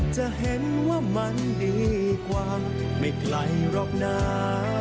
จะเห็นว่ามันดีกว่าไม่ไกลหรอกนะ